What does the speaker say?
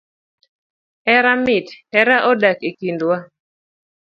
Hera mit, hera odak ekindwa